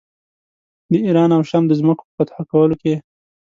د ایران او شام د ځمکو په فتح کولو کې.